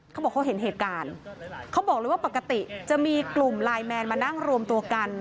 เขาบอกเขาเห็นเหตุการณ์เขาบอกเลยว่าปกติจะมีกลุ่มไลน์แมนมานั่งรวมตัวกัน